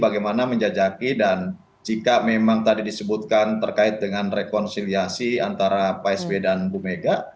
kita menjajaki dan jika memang tadi disebutkan terkait dengan rekonsiliasi antara psb dan bumega